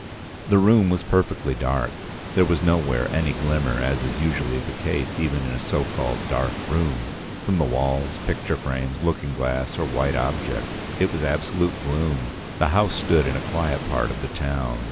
"The room was perfectly dark. There was nowhere any glimmer, as is usually the case, even in a so called dark room, from the walls, picture frames, looking glass or white objects. It was absolute gloom. The house stood in a quiet part of the town.